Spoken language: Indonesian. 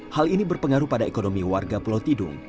hal ini berpengaruh pada ekonomi warga pelautidung